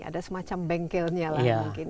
ada semacam bengkelnya lah mungkin